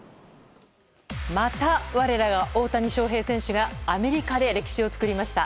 また、我らが大谷翔平選手がアメリカで歴史を作りました。